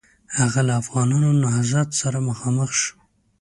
هغه له افغانانو نهضت سره مخامخ شو.